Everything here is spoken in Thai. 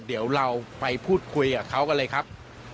เดี๋ยวเราไปพูดคุยกับเขากันเลยครับ